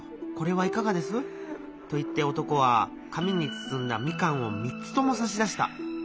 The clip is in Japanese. これはいかがです？」と言って男は紙に包んだみかんを３つともさし出した。